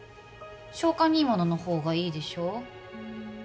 消化にいいもののほうがいいでしょうん